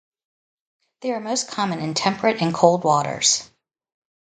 They are most common in temperate and cold waters.